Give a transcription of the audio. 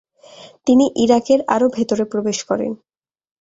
তিনি ইরাকের আরো ভেতরে প্রবেশ করেন।